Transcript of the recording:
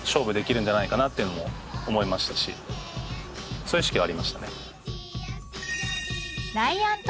そういう意識はありましたね。